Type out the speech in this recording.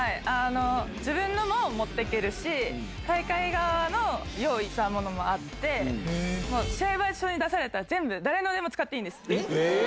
自分のも持っていけるし、大会側の用意したものもあって、もう、試合場所に出された全部、誰のでも使っていいんです。